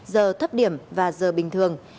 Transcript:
giờ thấp điểm và giờ bình thường